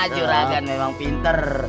juragan memang pinter